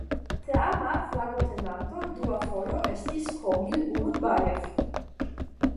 Teama flagotenanto duafoje estis "Komil Urunbajev".